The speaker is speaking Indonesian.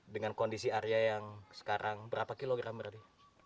dengan kondisi arya yang sekarang berapa kilogram berarti